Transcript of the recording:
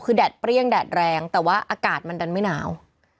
คือแดดเปรี้ยงแดดแรงแต่ว่าอากาศมันดันไม่หนาว